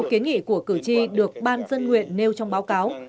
một số kiến nghị của cử tri được ban dân nguyện nêu trong báo cáo